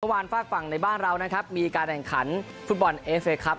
ฝากฝั่งในบ้านเรานะครับมีการแข่งขันฟุตบอลเอฟเคครับ